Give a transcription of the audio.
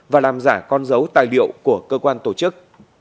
và làm giả con dấu tài liệu của cơ quan tổ chức